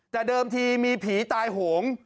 แต่เดิมทีมีผีตายโหง